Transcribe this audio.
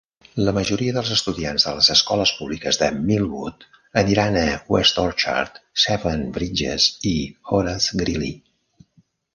La majoria dels estudiants de les escoles públiques de Millwood aniran a Westorchard, Seven Bridges i Horace Greeley.